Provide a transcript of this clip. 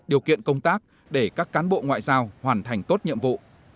điều kiện công tác để các cán bộ ngoại giao hoàn thành tốt nhiệm vụ